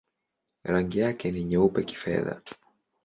Rangi yake ni nyeupe-kifedha.